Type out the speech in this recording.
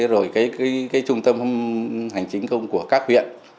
rồi cái trung tâm hành chính công của các huyện